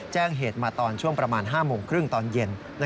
แจ้งเหตุมาตอนช่วงประมาณ๕โมงครึ่งตอนเย็น